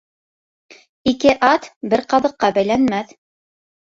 Ике ат бер ҡаҙыҡҡа бәйләнмәҫ.